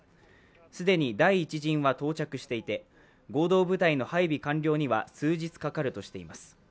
既に第一陣は到着していて、合同部隊の配備完了には数日かかるとしています。